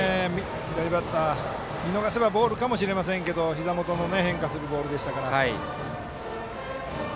左バッター、見逃せばボールかもしれませんがひざ元の変化するボールでしたから。